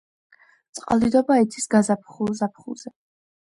წყალდიდობა იცის გაზაფხულ-ზაფხულზე.